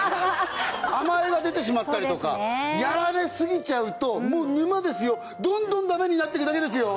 甘えが出てしまったりとかやられすぎちゃうともう沼ですよどんどんダメになってくだけですよ！